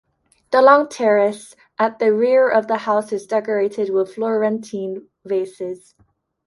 The long terrace at the rear of the house is decorated with Florentine vases.